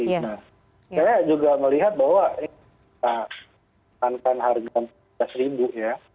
saya juga melihat bahwa hankan harga rp tiga ya